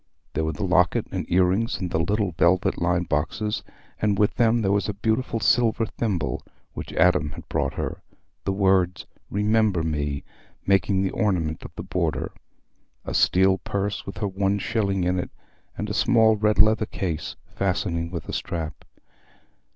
There were the locket and ear rings in the little velvet lined boxes, and with them there was a beautiful silver thimble which Adam had bought her, the words "Remember me" making the ornament of the border; a steel purse, with her one shilling in it; and a small red leather case, fastening with a strap.